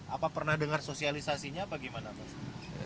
apa pernah dengar sosialisasinya apa gimana mas